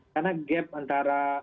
karena gap antara